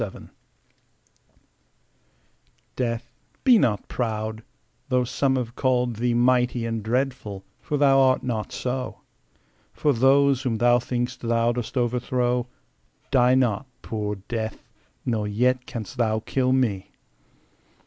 Death DEATH, be not proud, though some have called thee Mighty and dreadful, for thou art not so: For those whom thou think'st thou dost overthrow Die not, poor Death; nor yet canst thou kill me.